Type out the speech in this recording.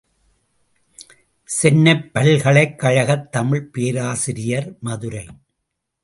சென்னைப் பல்கலைக்கழகத் தமிழ்ப் பேராசிரியர், மதுரை.